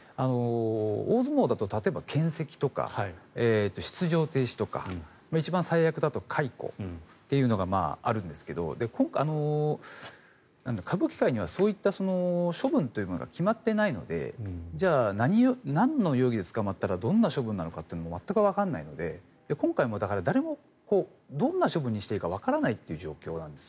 大相撲だと例えば、けん責とか出場停止とか一番最悪だと解雇というのがあるんですけど歌舞伎界にはそういった処分というものが決まっていないのでじゃあ、なんの容疑で捕まったらどんな処分なのかも全くわからないので今回も誰もどんな処分にしていいかわからない状態なんです。